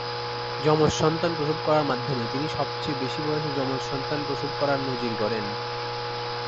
যমজ সন্তান প্রসব করার মাধ্যমে তিনি সবচেয়ে বেশি বয়সে যমজ সন্তান প্রসব করার নজির গড়েন।